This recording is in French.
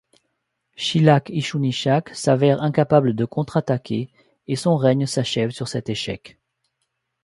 Shilhak-Inshushinak s'avère incapable de contre-attaquer, et son règne s'achève sur cet échec.